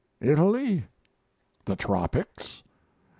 Italy? the tropics?